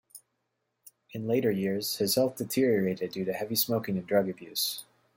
In later years, his health deteriorated due to heavy smoking and drug abuse.